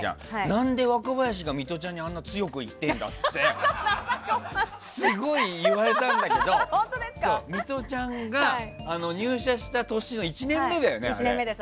なんで若林がミトちゃんにあんな強く言ってるんだってすごい言われたんだけどミトちゃんが入社した年の１年後だよね。